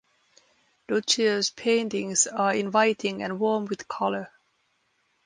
Duccio's paintings are inviting and warm with color.